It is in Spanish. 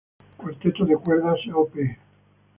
Cuarteto de cuerdas Op.